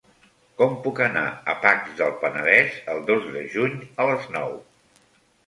Com puc anar a Pacs del Penedès el dos de juny a les nou?